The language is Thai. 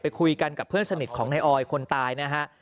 คุยกันกับเพื่อนสนิทของนายออยคนตายนะฮะ